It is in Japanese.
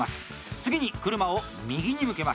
次に車を右に向けます。